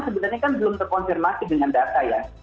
sebenarnya kan belum terkonfirmasi dengan data ya